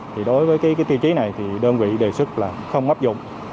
thì đối với cái tiêu chí này thì đơn vị đề xuất là không áp dụng